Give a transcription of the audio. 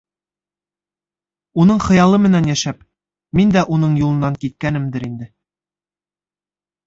Уның хыялы менән йәшәп, мин дә уның юлынан киткәнмендер инде.